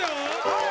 はい